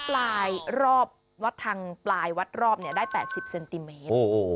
ปลายรอบวัดทางปลายวัดรอบได้๘๐เซนติเมตร